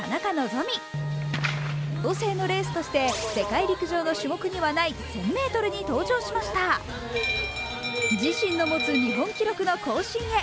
調整のレースとして世界陸上の種目にはない１０００ｍに登場しました自身の持つ日本記録の更新へ。